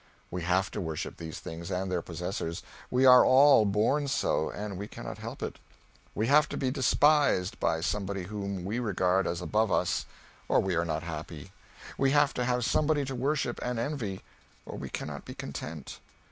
We have to worship these things and their possessors, we are all born so, and we cannot help it. We have to be despised by somebody whom we regard as above us, or we are not happy; we have to have somebody to worship and envy, or we cannot be content.